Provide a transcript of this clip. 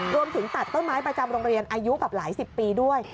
ตัดต้นไม้ประจำโรงเรียนอายุแบบหลายสิบปีด้วย